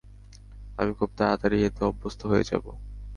তুমি খুব তাড়াতাড়ি এতে অভ্যস্ত হয়ে যাবে।